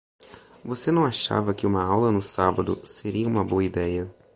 Você não achava que uma aula no sábado seria uma boa ideia.